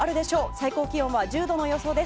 最高気温は１０度の予想です。